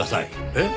えっ？